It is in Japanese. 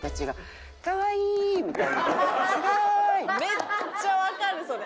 めっちゃわかるそれ。